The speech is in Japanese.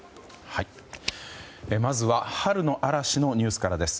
まずは春の嵐のニュースからです。